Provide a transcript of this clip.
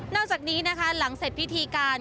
อกจากนี้นะคะหลังเสร็จพิธีการ